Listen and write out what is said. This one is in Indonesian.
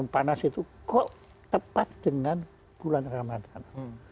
panas itu kok tepat dengan bulan ramadhan